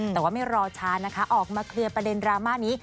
แต่ว่าไม่รอช้านะคะออกมาเคลียร์ประเด็นดราม่านี้